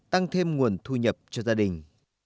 tăng thêm nguồn thu nhập cho gia đình